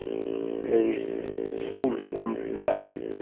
La as-tettḥulfumt, naɣ?